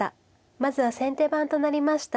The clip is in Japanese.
まずは先手番となりました